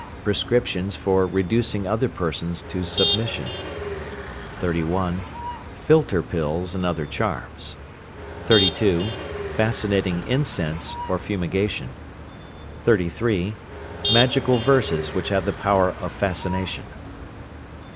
Prescriptions for reducing other persons to submission. 31. Philter pills, and other charms. 32. Fascinating incense, or fumigation. 33. Magical verses which have the power of fascination.